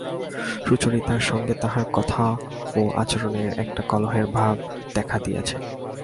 সুচরিতার সঙ্গে তাঁহার কথায় ও আচরণে একটা কলহের ভাব দেখা দিয়াছে।